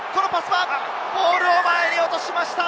ボールを前に落としました。